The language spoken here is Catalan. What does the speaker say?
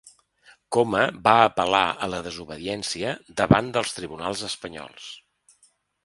Coma va apel·lar a la desobediència davant dels tribunals espanyols.